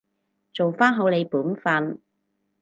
做返好你本分